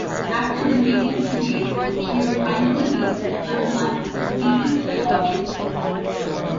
After defeating Kane he would finally be unmasked completely for the audience to see.